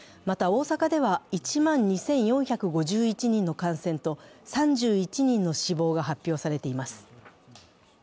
また大阪では１万２４５１人の感染と３１人の死亡が発表されています。